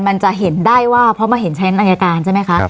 มันจะเห็นได้ว่าเพราะมาเห็นชั้นอายการใช่ไหมคะ